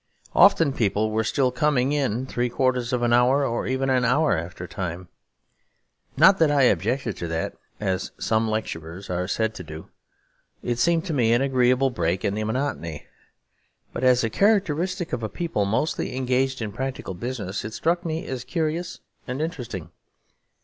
Often people were still coming in three quarters of an hour or even an hour after time. Not that I objected to that, as some lecturers are said to do; it seemed to me an agreeable break in the monotony; but as a characteristic of a people mostly engaged in practical business, it struck me as curious and interesting.